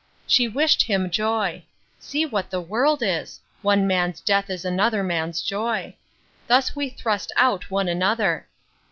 She wished him joy. See what the world is! One man's death is another man's joy. Thus we thrust out one another!